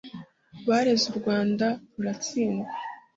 bareze u Rwanda ruratsindwa